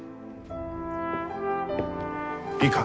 いいか？